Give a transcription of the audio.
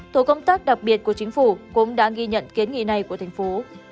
tổ công tác đặc biệt của chính phủ cũng đã ghi nhận kiến nghị này của thành phố